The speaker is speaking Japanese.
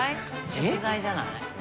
食材じゃない？